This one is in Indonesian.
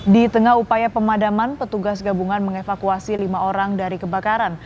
di tengah upaya pemadaman petugas gabungan mengevakuasi lima orang dari kebakaran